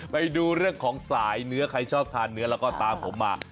ไปดูเรื่องของสายเนื้อใครชอบทานเนื้อแล้วก็ตามผมมา